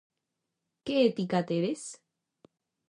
Que ética tedes?